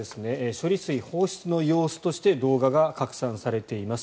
処理水放出の様子として動画が拡散されています。